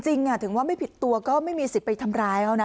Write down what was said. จริงถึงว่าไม่ผิดตัวก็ไม่มีสิทธิ์ไปทำร้ายเขานะ